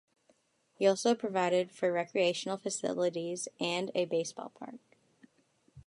He also provided for recreational facilities and a baseball park.